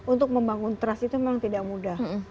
untuk membangun trust itu memang tidak mudah